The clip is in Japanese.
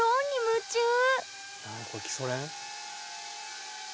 何これ基礎練？